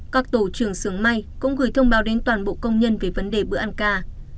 các tổ trưởng sưởng may cũng gửi thông báo đến toàn bộ công nhân về vấn đề bữa ăn ca